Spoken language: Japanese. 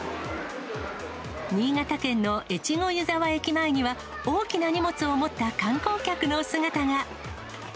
新潟県の越後湯沢駅前には、大きな荷物を持った観光客の姿が。